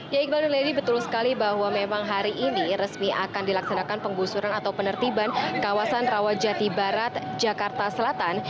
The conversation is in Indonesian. ya iqbal lady betul sekali bahwa memang hari ini resmi akan dilaksanakan penggusuran atau penertiban kawasan rawajati barat jakarta selatan